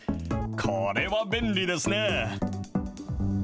これは便利ですね。